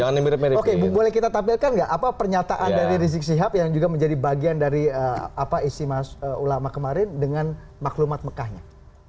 oke boleh kita tampilkan nggak apa pernyataan dari rizik sihab yang juga menjadi bagian dari istimewa ulama kemarin dengan maklumat mekahnya